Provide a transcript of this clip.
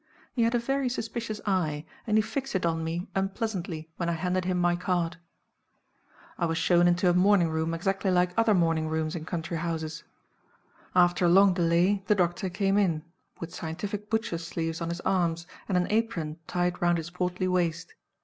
He had a very suspicious eye, and he fixed it on me unpleasantly when I handed him my card. I was shown into a morning room exactly like other morning rooms in country houses. After a long delay the doctor came in, with scientific butchers' sleeves on his arms, and an apron tied round his portly waist.